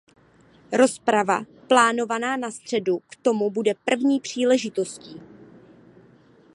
Rozprava plánovaná na středu k tomu bude první příležitostí.